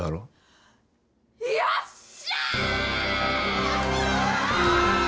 「よっしゃ！」